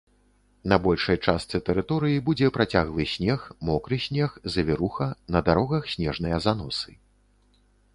На большай частцы тэрыторыі будзе працяглы снег, мокры снег, завіруха, на дарогах снежныя заносы.